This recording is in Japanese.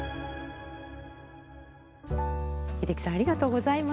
英樹さんありがとうございました。